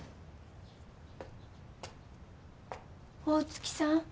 大月さん？